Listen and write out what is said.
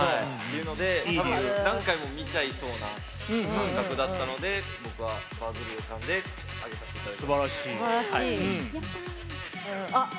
何回も見ちゃいそうな感覚だったので僕はバズる予感で上げさせていただきました。